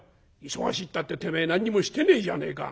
「忙しいたっててめえ何にもしてねえじゃねえか」。